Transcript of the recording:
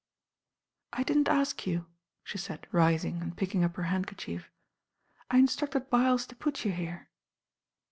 "I didn't ask you," she said rising and picking up her handkerchief. "I instructed Byles to put you here."